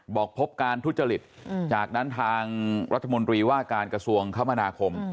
พบการทุจริตจากนั้นทางรัฐมนตรีว่าการกระทรวงคมนาคม